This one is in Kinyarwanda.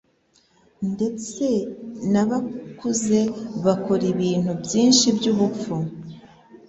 Ndetse nabakuze bakora ibintu byinshi byubupfu.